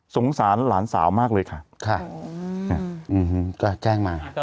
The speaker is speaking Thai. สงสารหลานสาวมากเลยค่ะค่ะอืมอืมอืมก็แจ้งมา